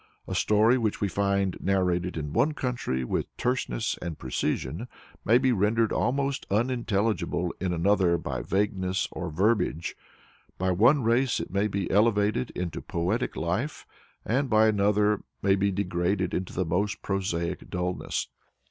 A story which we find narrated in one country with terseness and precision may be rendered almost unintelligible in another by vagueness or verbiage; by one race it may be elevated into poetic life, by another it may be degraded into the most prosaic dulness.